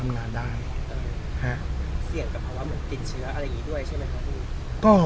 เสี่ยงกับภาวะเหมือนติดเชื้ออะไรอย่างงี้ด้วยใช่ไหมครับ